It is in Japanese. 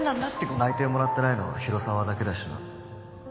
内定もらってないの広沢だけだしな